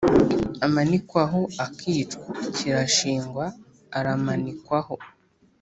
amanikwaho akicwa kirashingwa aramanikwaho